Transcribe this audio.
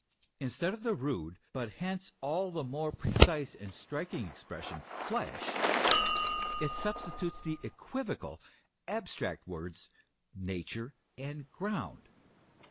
Instead of the rude, but hence all the more precise and striking expression, flesh, it substitutes the equivocal, abstract words, nature and ground.